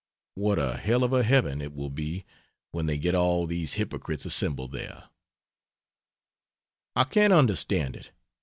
What a hell of a heaven it will be, when they get all these hypocrites assembled there! I can't understand it!